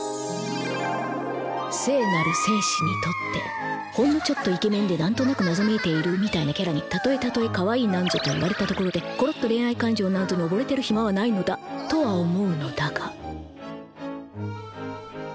聖なる戦士にとってほんのちょっとイケメンで何となく謎めいているみたいなキャラにたとえたとえ「かわいい」なんぞと言われたところでころっと恋愛感情なんぞに溺れてる暇はないのだ！とは思うのだが。